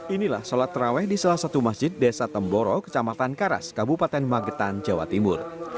inilah sholat terawih di salah satu masjid desa temboro kecamatan karas kabupaten magetan jawa timur